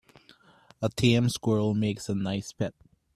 A tame squirrel makes a nice pet.